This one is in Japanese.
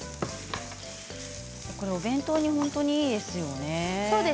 お弁当に本当にいいですよね。